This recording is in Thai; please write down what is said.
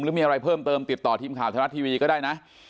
หรือมีอะไรเพิ่มเติมติดต่อทีมข่าวไทยรัฐทีวีก็ได้นะ